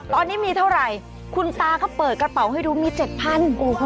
ตอนนี้มีเท่าไหร่คุณตาก็เปิดกระเป๋าให้ดูมี๗๐๐บาท